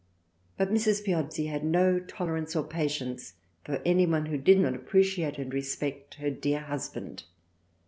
But Mrs. Piozzi had t 54 THRALIANA no tolerance or patience for anyone who did not appreciate and respect her dear husband.